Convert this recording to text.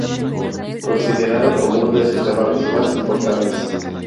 Considerado como uno de sus trabajos más importantes.